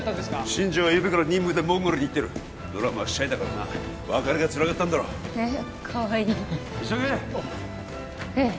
新庄はゆうべから任務でモンゴルに行ってるドラムはシャイだからな別れがつらかったんだろうえかわいい急げええ